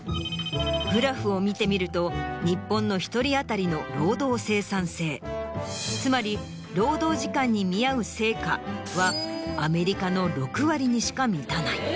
グラフを見てみると日本の１人当たりの労働生産性つまり労働時間に見合う成果はアメリカの６割にしか満たない。